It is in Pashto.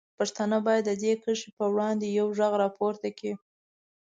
پښتانه باید د دې کرښې په وړاندې یوغږ راپورته کړي.